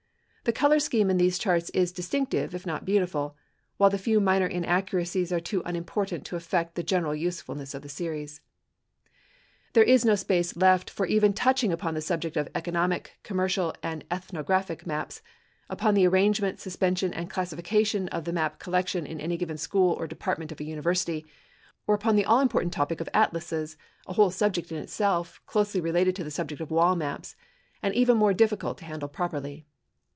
The color scheme in these charts is distinctive if not beautiful, while the few minor inaccuracies are too unimportant to affect the general usefulness of the series. There is no space left for even touching upon the subject of economic, commercial, and ethnographic maps; upon the arrangement, suspension, and classification of the map collection in any given school or department of a university; or upon the all important topic of atlases, a whole subject in itself, closely related to the subject of wall maps, and even more difficult to handle properly.